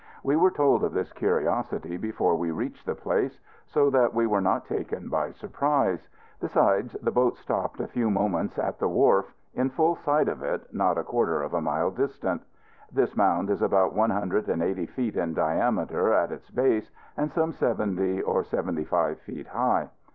We were told of this curiosity before we reached the place; so that we were not taken by surprise. Besides, the boat stopped a few moments at the wharf, in full sight of it, not a quarter of a mile distant. This mound is about one hundred and eighty feet in diameter at its base, and some seventy or seventy five feet high.